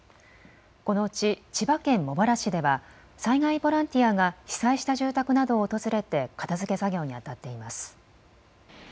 このうち千葉県茂原市では災害ボランティアが被災した住宅などを訪れて片づけ作業にあたっています。